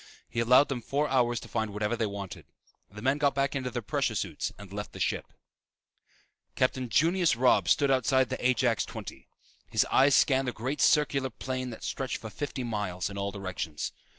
He allowed them four hours to find whatever they wanted. The men got back into their pressure suits and left the ship. Captain Junius Robb stood outside the Ajax XX. His eyes scanned the great circular plain that stretched for fifty miles in all directions.